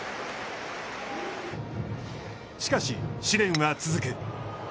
しかし、試練は続く。